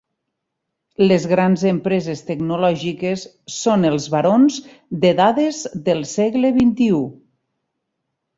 Les grans empreses tecnològiques són els barons de dades del segle vint-i-u.